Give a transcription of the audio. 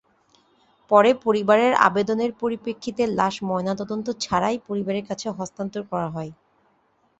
পরে পরিবারের আবেদনের পরিপ্রেক্ষিতে লাশ ময়নাতদন্ত ছাড়াই পরিবারের কাছে হস্তান্তর করা হয়।